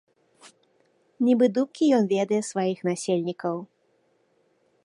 Нібы думкі ён ведае сваіх насельнікаў.